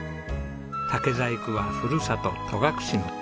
竹細工はふるさと戸隠の宝。